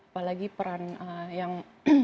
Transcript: apalagi peran yang